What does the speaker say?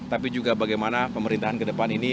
tapi juga bagaimana pemerintahan kedepan ini